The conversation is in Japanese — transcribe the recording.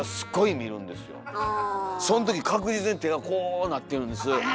そん時確実に手がこうなってるんです。